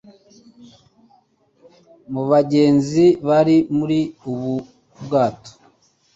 mu bagenzi bari muri ubu bwato